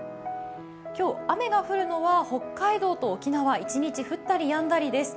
今日、雨が降るのは北海道と沖縄一日降ったりやんだりです。